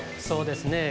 そうですね